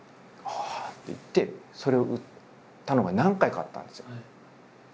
「ああ」って言ってそれを売ったのが何回かあったんですよ。